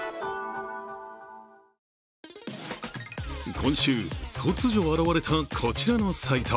今週、突如現れたこちらのサイト。